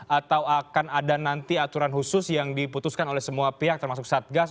atau akan ada nanti aturan khusus yang diputuskan oleh semua pihak termasuk satgas